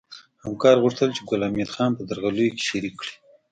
همکار غوښتل چې ګل حمید خان په درغلیو کې شریک کړي